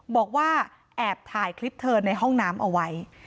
บอกว่าแอบถ่ายคลิปเธอในห้องน้ำเอาไว้